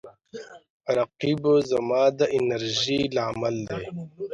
رقیب زما د انرژۍ لامل دی